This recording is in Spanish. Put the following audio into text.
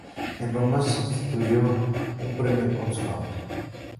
En Roma se instituyó un premio con su nombre.